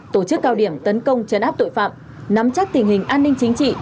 tổ chức cao điểm tấn công chấn áp tội phạm nắm chắc tình hình an ninh chính trị